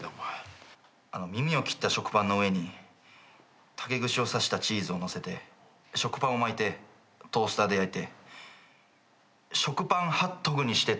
耳を切った食パンの上に竹串を刺したチーズをのせて食パンを巻いてトースターで焼いて食パンハットグにして食べようと思ってました。